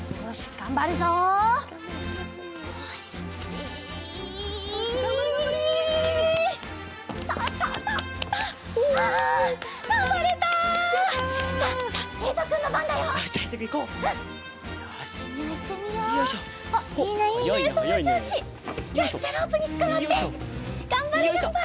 がんばれがんばれ！